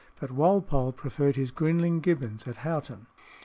But Walpole preferred his Grinling Gibbons at Houghton.